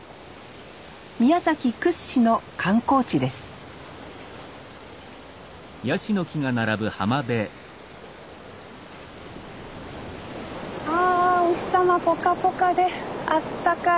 宮崎屈指の観光地ですあお日さまポカポカで暖かい。